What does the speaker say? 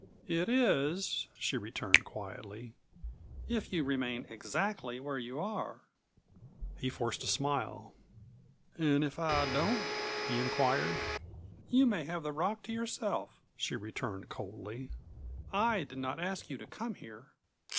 "It is," she returned quietly, "if you remain exactly where you are." He forced a smile. "An' if I don't?" he inquired. "You may have the rock to yourself," she returned coldly. "I did not ask you to come here."